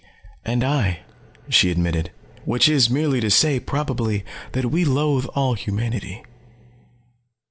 "And I," she admitted. "Which is merely to say, probably, that we loathe all humanity."